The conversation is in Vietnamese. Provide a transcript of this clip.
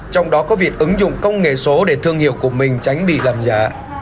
trong đó có việc ứng dụng công nghệ số để thương hiệu của mình tránh bị làm giả